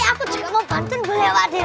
pate aku cek mau bantuin boleh pak deh